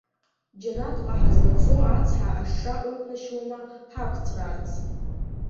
Џьанаҭҟа ҳазлацо ацҳа ашша ықәнашьуама ҳақәҵәраарц?